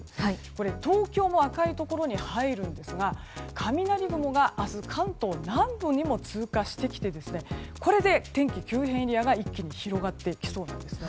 これ、東京も赤いところに入るんですが雷雲が明日関東南部にも通過してきてこれで天気が急変エリアが一気に広がってきそうなんです。